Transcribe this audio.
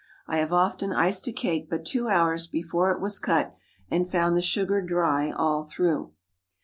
I have often iced a cake but two hours before it was cut, and found the sugar dry all through.